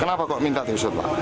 kenapa kok minta diusut pak